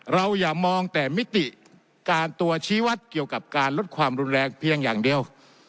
อย่ามองแต่มิติการตัวชี้วัดเกี่ยวกับการลดความรุนแรงเพียงอย่างเดียว